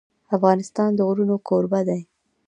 افغانستان د غرونه کوربه دی.